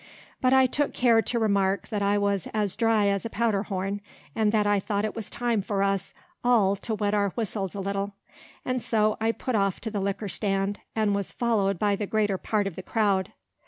But I took care to remark that I was as dry as a powder horn, and that I thought it was time for us all to wet our whistles a little; and so I put off to the liquor stand, and was followed by the greater part of the crowd.